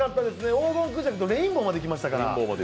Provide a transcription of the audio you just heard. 黄金クジャクとレインボーまでいきましたから。